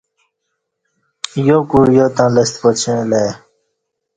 یاکُع یا تں لستہ پاچیں الہ ای